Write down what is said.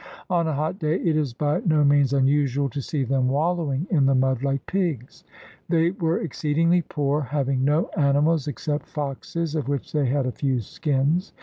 On a hot day it is by no means unusual to see them wallowing in the mud like pigs." They were "exceedingly poor, having no animals except foxes of which they had a few skins.